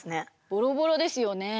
ボロボロですよね。